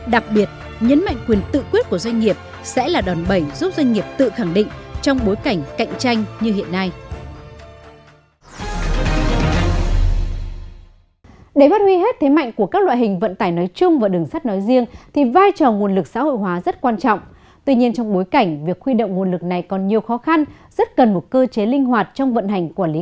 đặc biệt nhấn mạnh quyền tự quyết của doanh nghiệp sẽ là đòn bẩy giúp doanh nghiệp tự khẳng định trong bối cảnh cạnh tranh như hiện nay